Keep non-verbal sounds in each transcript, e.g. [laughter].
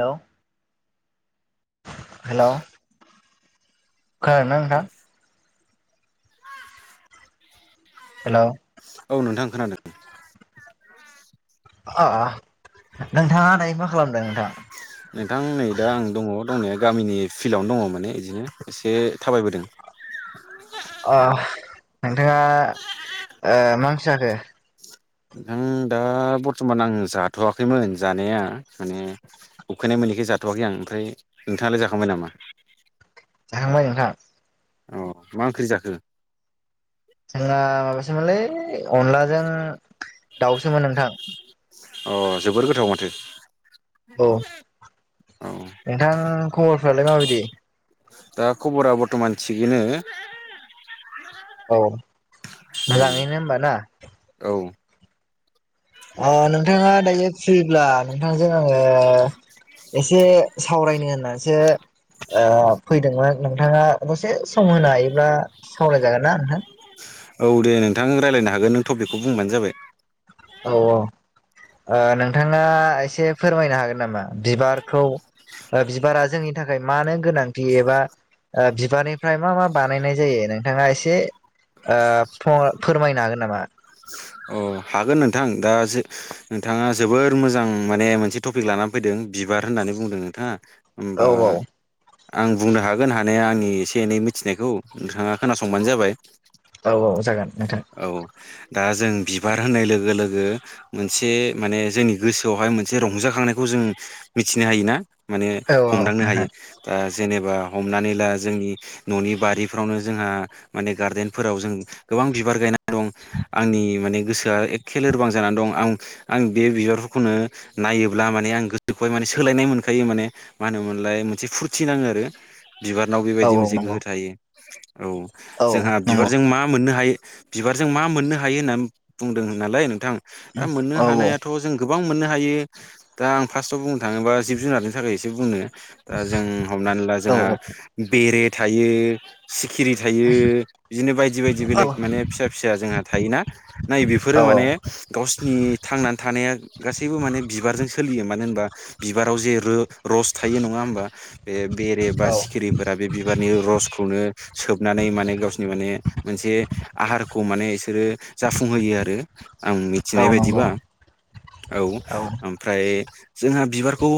हेल' hello खोनादों ना नोंथां [unintelligible] हेल' औ नोंथां खोनादों अ नोंथाङा दायो मा खालामदों नोंथां नोंथां नै दा आं दङ दंनाया गामिनि फिल्डआवनो दङ माने बिदिनो एसे थाबायबोदों नोंथाङा मा ओंख्रि जाखो नोंथां दा बर्थमान आं जाथ'वाखैमोन जानाया माने उखैनाय मो निखाय जाथ'वाखै आं ओमफ्राय नोंथाङालाय जाखांबाय नामा? [inaudible] जाखांबाय नोंथां अ मा ओंख्रि जाखो जोंना माबासोमोनलै अनलाजों दाउसोमोन नोंथां अ जोबोर गोथाव माथो औ औ नोंथां खबरफ्रालाय माबायदि? दा खबरा बर्थमान थिगैनो औ उम मोजाङैनो होमबा ना औ अ नोंथाङा दायो फ्रिब्ला नोंथांजों आङो एसे सावरायनो होननासो फैदोंमोन नोंथाङा दसे सम होनो हायोब्ला सावरायजागोन ना नोंथां औ दे नोंथां रायज्लायनो हागोन नों ट'पिकखौ बुंबानो जाबाय औ नोंथाङा एसे फोरमायनो हागोन नामा बिबारखौ बिबारा जोंनि नि थाखाय मानो गोनांथि एबा बिबारनिफ्राय मा मा बानायनाय जायो नोंथाङा एसे फोरमायनो हागोन नामा अ हागोन नोंथां दा नोंथाङा जोबोर मोजां माने मोनसे टपिक लानानै फैदों बिबार होननानै बुंदों नोंथाङा होनबा औ आं बुंनो हागोन हानाया आंनि एसे एनै मिथिनायखौ नोंथाङा खोनासंबानो जाबाय औ औ जागोन नोंथां औ दा जों बिबार होननाय लोगो लोगो मोनसे माने जोंनि गोसोआवहाय मोनसे रंजाखांनायखौ जों मिथिनो हायो ना माने औ हमदांनो हायो नोंथां ओ जेनेबा हमनानै ला जोंनि ननि बारिफ्रावनो जोंहा माने गार्देनफोराव जों गोबां बिबार गायनानै दं आंनि माने गोसोआ एखे लोरबां जानानै दं आं आं बे बिबारफोरखौनो नायोब्ला माने आं गोसोखौहाय माने सोलायनाय मोनखायो माने मा होनोमोनलाय मोनसे फुरथि नाङो आरो बिबारनाव औ बेबायदि औ मोनसे नंगौ गोहो थायो औ औ जोंहा नंगौ बिबारजों मा मोननो हायो बिबारजों मा मोननो हायो होननानै बुंदोंमोन नालाय नोंथां दा मोननो औ हानायाथ जों गोबां मोननो हा थायो दा आं फार्स्टआव बुंनो थाङोबा जिब जुनारनि थाखाय एसे बुंनो दा जों हमनानै ला जोंहा बेरे थायो खिरि थायो बिदिनो बायदि बायदि बेलेग औ नंगौ औ माने फिसा फिसा जोंहा थायोना नाय बेफोरो औ माने गावसिनि थांनानै थानाया गासैबो माने बिबारजों सोलियो मानो होनबा बिबाराव जे रो रस थायो नङा होमबा बे बेरे बा औ सिखिरिफोरा बे बिबारनि रसखौनो सोबनानै माने गावसोरनि माने मोनसे आहारखौ माने इसोरो जाफुंहोयो आरो आं मिथिनाय औ नंगौ औ बायदिबा नंगौ औ ओमफ्राय जोंहा बिबारखौ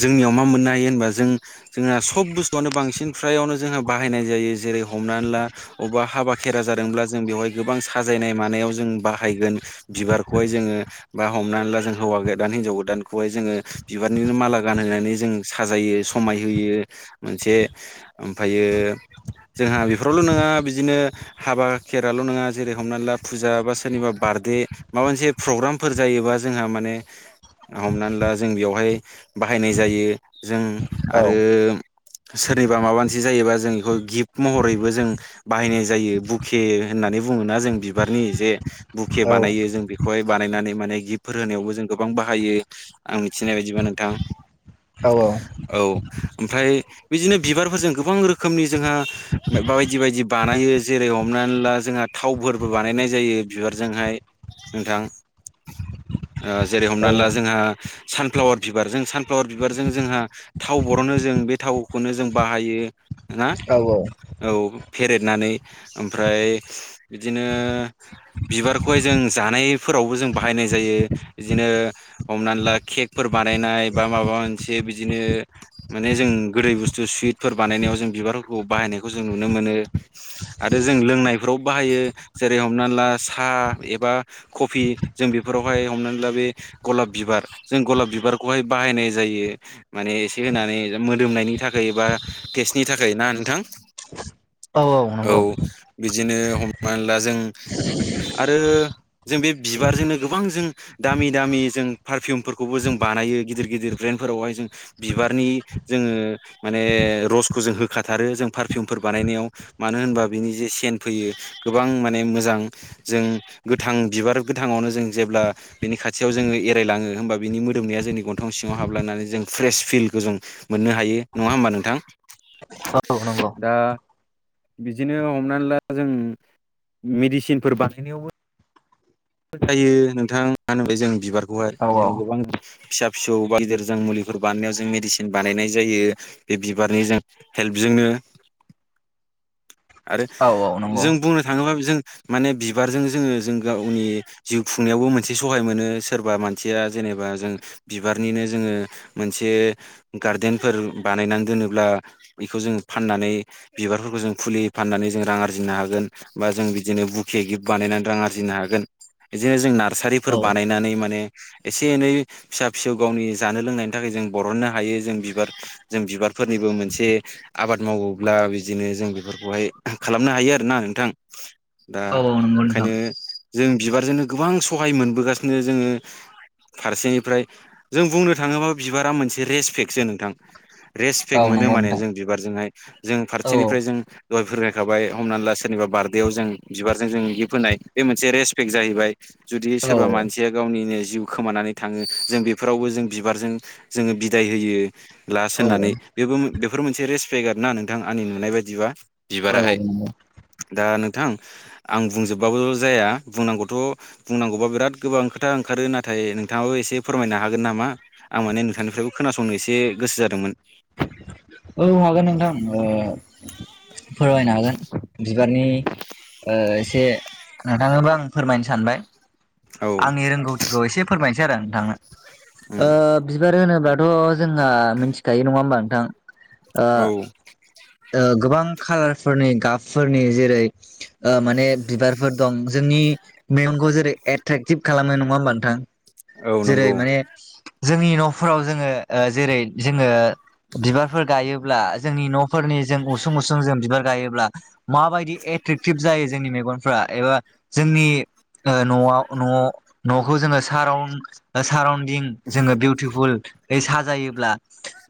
जोंनियाव मा मोननो हायो होनबा जों जोंहा सब बुस्थुआनो बांसिन फ्रायावनो जों बाहायनाय जायो जेरै हमनानै ला अबेबा हाबा खेरा जादोंब्ला जों बेवहाय गोबां साजायनाय मानायाव जों बाहायगोन बिबारखौहाय जोङो बा हमनानै ला जों हौवा गोदान हिनजाव गोदानखौहाय जोङो बिबारनिनो माला गानहोनानै जों साजायो समाय होयो मोनसे ओमफ्रायो जोंहा बेफोरावल नङा बिदिनो हाबा खेराल नङा जेरै हमनानै ला फुजा बा सोरनिबा बारदे माबा मोनसे प्रग्रामफोर जायोबा जोंहा माने हमनानै ला जों बेयावहाय बाहायनाय जायो जों औ औ आरो सोरनिबा माबा मोनसे जायोबा जों बेखौ गिफ्ट महरैबो जों बाहायनाय जायो बुके होन होननानै बुङोना जों बिबारनि जे बुखे बानायो जों बेखौहाय बानायनानै माने गिफ्टफोर होनायावबो जों गोबां बाहायो आं मिथिनाय बायदिबा नोंथां औ ओमफ्राय बिदिनो बिबारफोरजों गोबां रोखोमनि जोंहा बाय बायदि बायदि बानायो जेरै हमनानै ला जोंहा थावफोरबो बानायनाय जायो बिबारजोंहाय नोंथां [inaudible] ओ जेरै हमना ला जोंहा सानफ्लावार बिबार जों सानफ्लावार बिबारजों जोंहा थाव बरनो जों बे थावखौनो जों बाहायो ना औ औ फेरेदनानै ओमफ्राय बिदिनो बिबारखौहाय जों जानायफोरावबो जों बाहायनाय जायो बिदिनो हमना ला केकफोर बा बानायनाय बा माबा मोनसे बिदिनो माने जों गोदै बुस्थु सुइथफोर बानायनायाव जों बिबार खौ बाहायनायखौ जों नुनो मोनो आरो जों लोंनायफ्राव बाहायो जेरै हमना ला सा एबा कफि जों बेफोरावहाय हमनानै ला बे गलाब बिबार जों गलाब बिब बिबारखौहाय बाहायनाय जायो माने एसे होनानै मोदोमनायनि थाखाय बा टेस्टनि थाखाय ना नोंथां [inaudible] औ बिदिनो हमनानै ला जों आरो जों बे बिबारजोंनो गोबां जों दामि दामि जों पारफिमफोरखौबो जों बा नायो गिदिर गिदिर ब्रेन्ड फोरावहाय जों बिबारनि जोङो माने रसखौ जों होखाथार रो जों फारफिउमफोर बानायनायाव मानो होनबा बिनि जे सेन फैयो गोबां माने मोजां जों गोथां बिबार गोथाङावनो जों जेब्ला बिनि खाथियाव जोङो एरायलाङो होमबा बिनि मोदोमनाया जोंनि गन्थं सिङाव हाबलांनानै जों फ्रेस फिलखौ जों मोननो हायो नङा होमबा नोंथां औ नंगौ दा बिदिनो हमनानै ला जों मेडिसिनफोर बानायनायावबो फोथायो नोंथां मा होनोमोनलाय जों बिबारखौहाय बिदिनो गोबां फिसा फिसौ बा गिदिर जों मुलि फोर बानायनायाव जों मेडिसिन बानायनाय जायो बे बिबारनि जों हेल्पजोंनो [inaudible] आरो जों बुंनो थाङोबाबो जों माने बिबारजों जोङो जों गावनि जिउ खुंनायावबो मोनसे सहाय मोनो सोरबा मानसिया जेन जेनेबा जों बिबारनिनो जोङो मोनसे गार्देनफोर बानायनानै दोनोब्ला बेखौ जों फाननानै बिबारफोरखौ जों फुलि फाननानै जों रां आरजिनो हागोन बा जों बिदिनो बुखे गिफ्ट बानायनानै रां आरजिनो हागोन बिदिनो जों नार्सारिफोर औ बानायनानै माने एसे एनै फिसा फिसौ गावनि जानो लोंनायनि थाखाय जों बर'ननो हायो जों बिबार जों बिबार फोरनिबो मोनसे आबाद मावोब्ला बिदिनो जों बेफोरखौहाय खालामनो हायो आरो ना नोंथां। दा औ नंगौ नोंथां ओंखायनो जों बिबारजोंनो गोबां सहाय मोनबोगासिनो जोङो फारसेनिफ्राय जों बुंनो थाङोबा बिबारा मोनसे रेसपेक्टसो नोंथां। रेसपेक्ट औ मोनो नंगौ माने नोंथां जों बिबारजोंहाय जों औ फारसेनिफ्राय जों दहाय फोरमायखाबाय हमनानै ला सोरनिबा बार्डेआव जों बिबारजों जों गिफ्ट होनाय बे मोनसे रेसपेक्ट जाहैबाय। जुदि औ सोरबा मानसिया गावनिनो जिउ खोमानानै थाङो जों बेफोरावबो जों बिबारजों जोङो बिदाय होयो। लास होननानै बेबो बेफोर मोनसे रेसपेक्ट ना नोंथां आंनि नुनाय बायदिबा। औ बिबाराहाय नंगौ दा नोंथां आं बुंजोबबाबो जाया बुंनांगौथ' बुंनांगौबा बिराद गोबां खोथा ओंखारो नाथाय नोंथाङाबो एसे फोरमायनो हागोन नामा आं माने नोंथांनिफ्रायबो खोनासंनो एसे गोसो जादों मोन [inaudible] औ हागोन नोंथां ओ फोरमायनो हागोन बिबारनि ओ एसे नोंथांनोबो आं फोरमायनो सानबाय औ आंनि रोंगौथिखौ एसे फोरमाय नोसै आरो नोंथांनो। ओ उम बिबार होनोब्लाथ' जोंहा मिथिखायो नङा होमबा नोंथां ओ औ ओ गोबां खालार फोरनि गाबफोरनि जेरै ओ माने बिबारफोर दं जोंनि मेगनखौ जेरै एट्रेकटिभ खालामो नङा होमबा नोंथां औ जेरै नंगौ माने जोंनि न'फोराव जोङो ओ जेरै जोङो बिबार फोर गायोब्ला जोंनि न'फोरनि जों उसुं उसुं जों बिबार गायोब्ला माबायदि एट्रेकटिभ जा यो जोंनि मेगनफ्रा एबा जोंनि ओ न'आव न' न'खौ जोङो साराउन साराउन दिं जोङो बिउटिफुलयै साजायोब्ला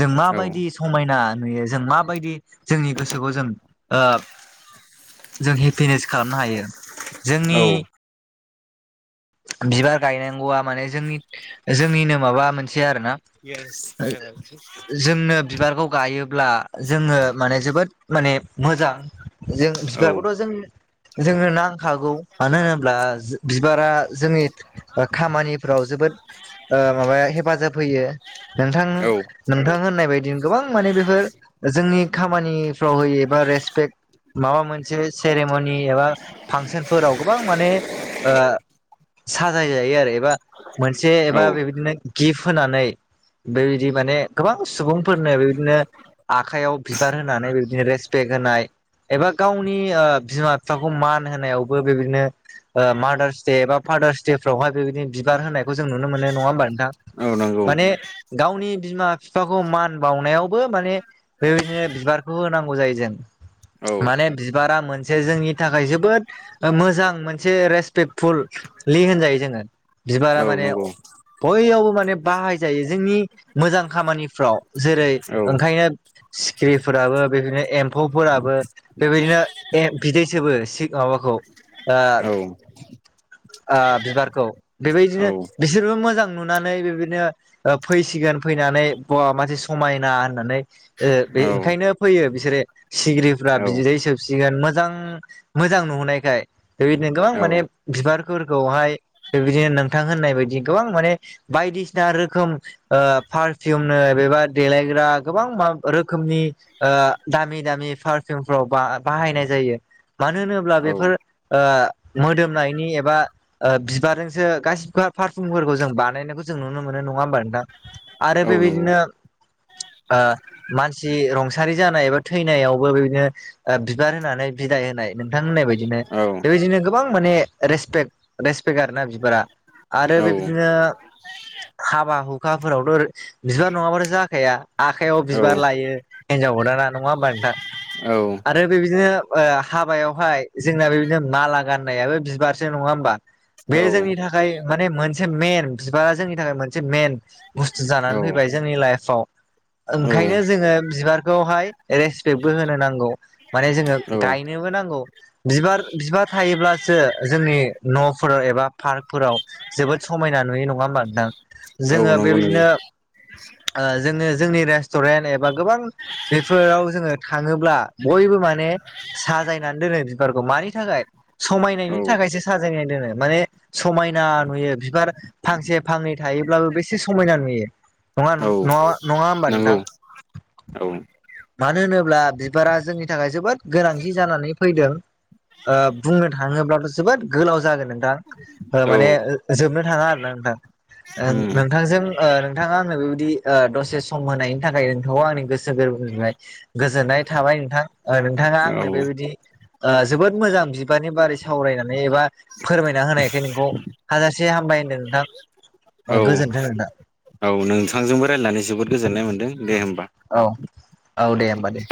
जों औ माबायदि समायना नुयो। जों माबायदि जोंनि गोसोखौ जों ओ जों हेपिनेस खालामनो हायो जोंनि औ बिबार गायनांगौआ माने जोंनि जोंनिनो माबा मोन से आरोना ओ जोंनो बिबारखौ गायो ब्ला जोङो माने जोबोद माने मोजां जों औ बिबारखौथ' जों जोंनो नांखागौ मानो होनोब्ला जो बिबारा जोंनि खामानिफ्राव जोबोद ओ माबाया हेफाजाब होयो। नोंथां औ नोंथां होननाय बायदि गोबां माने बेफोर जोंनि खामानि फोराव होयो एबा रेसपेक्ट माबा मोनसे सेरेम'नि एबा फांसनफोराव गोबां माने ओ साजाय जायो आरो एबा मोनसे औ एबा बेबायदिनो गिफ्ट होनानै बेबायदि माने गोबां सुबुंफोरनो बेबायदिनो आखाइयाव बिबार होनानै बिदिनो रेसपेक्ट होनाय एबा गावनि ओ बिमा बिफाखौ मान होनायावबो बेबायदिनो ओ मादार्स दे एबा फादार्स दे फोरावहाय बेबायदि बिबार होनायखौ जों नुनो मोनो नङा होमबा नोंथां। औ नंगौ माने गावनि बिमा फिफाखौ मान बाउनायावबो माने ओरैनो बिबारखौ होनांगौ जायो जों। औ माने बिबारा मोन से जोंनि थाखाय जोबोद मोजां मोनसे रेसपेक्टफुल लि होनजायो जोङो बिबारा औ माने नंगौ बययावबो माने बाहायजायो जोंनि मोजां खामानिफ्राव जेरै औ ओंखायनो सिखिरिफोराबो बेबायदिनो एम्फौफोराबो बेबायदिनो ए बिदै सोबो सि माबाखौ आ औ आ बिबारखौ बेबायदिनो बिसोरबो मोजां नुनानै बेबायदिनो ओ फैसिगोन फैनानै बवा मासे समायना होननानै ओ बे औ ओंखायनो फैयो बिसोरो सिगिरि फोर रा‌ बिदै सोबसिगोन मोजां मोजां नुनायखाय बेबायदिनो गोबां औ माने बिबार फोरखौहाय बेबायदिनो नोंथां होननाय बायदि गोबां माने बायदिसिना रोखोम ओ पारफिउमनो बेबा देलायग्रा गोबां मा रोखोमनि ओ दामि दामि पार फिउमफोराव बा बाहायनाय जायो। मानोहोनोब्ला बेफोर ओ मोदोमनायनि ए एबा बिबारजोंसो गासिबो फारफुमफोरखौ जों बानायनायखौ जों नुनो मोनो नङा होमबा नोंथां? आरो औ बे नंगौ बायदिनो ओ मानसि रुंसारि जानाय एबा थैनायावबो बिदिनो बिबार होनानै बिदाय होनाय नोंथां होननाय बायदिनो औ बे बायदिनो गोबां माने रेसपेक्ट रेसपेक्ट आरोना बिबारा आरो औ बे बायदिनो हाबा हुखाफोरावथ' बिबार नङाब्लाथ' जाखाया आखाइयाव बिबार लायो हिनजाव गोदाना नङा होनबा नोंथां? आरो बे बायदिनो ओ हाबायावहाय जोंना बे बायदिनो माला गाननायाबो बिबार सो नङा होमबा? बे जोंनि थाखाय माने मोनसे मेन, बिबार जोंनि थाखाय मोनसे मेन बुस्थु औ जानानै फैबाय। जोंनि लाइफआव। औ ओंखायनो जोङो बिबारखौहाय रेसपेक्टबो होनो नांगौ माने जोङो गायनो बो नांगौ। बिबार बिबार थायोब्लासो जोंनि न'फोराव एबा पार्कफोराव जोबोद समायना नुयो नङा होमबा नोंथां? औ जोङो बे नंगौ नुयो बायदिनो ओ जोङो जोंनि रेस्टुरेन्ट एबा गोबां बेफोराव जोङो थाङोब्ला बयबो माने साजायनानै दोनो बिबारखौ मानि थाखाय समायनायनि औ थाखायसो साजायनाय दोनो माने समायना नुयो बिबार फांसे फांनै थायोब्लाबो बेसे समायना नुयो नङा औ नङा नङा होमबा नंगौ नोंथां? औ। मानो होनोब्ला बिबारा जोंनि थाखाय जोबोद गोनांथि जानानै फैदों। ओ बुंनो थाङोब्लाथ' जोबोद गोलाव जागोन नोंथां। ओ औ माने जोबनो थाङा आरो ना नोंथां। ओं उम नोंथांजों ओ नोंथाङा आंनो बे बायदि ओ दसे सम होनायनि थाखाय नोंथांखौ आंनि गोसो गोरबो गोजोननाय थाबाय नोंथां। ओ नोंथाङा औ आंनो बे बायदि ओ जोबोद मोजां बिबारनि बारै सावरायनानै एबा फोरमायना होनायखाय नोंखौ हाजासे हाम बाय होनदों नोंथां। ओ गोजोन्थों नोंथां। औ नोंथांजोंबो रायलायनानै जोबोद गोजोननाय मोन्दों दे होनबा। औ औ दे होनबा दे।